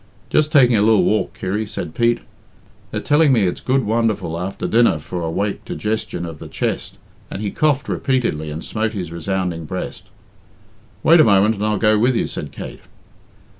"Just taking a lil walk, Kirry," said Pete. "They're telling me it's good wonderful after dinner for a wake digestion of the chest," and he coughed repeatedly and smote his resounding breast. "Wait a moment and I'll go with you," said Kate.